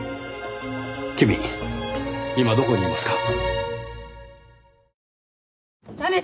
君今どこにいますか？